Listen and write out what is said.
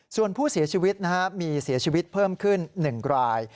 ส่วนผู้เสียชีวิตมีเสียชีวิตเพิ่มขึ้น๑ราย